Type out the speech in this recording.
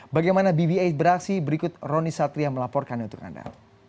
bagaimana bb delapan beraksi berikut roni satria melaporkannya untuk anda